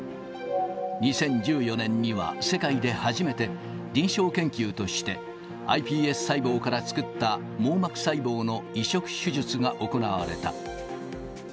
２０１４年には世界で初めて、臨床研究として、ｉＰＳ細胞から作った網膜細胞の移植手術が行われた。